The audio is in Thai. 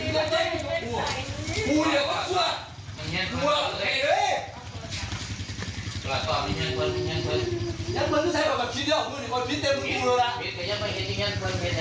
ลูกไปนะมัน